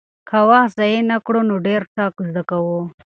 که وخت ضایع نه کړو نو ډېر څه زده کوو.